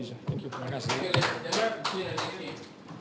terima kasih banyak banyak dan saya harap indonesia dan malaysia akan menang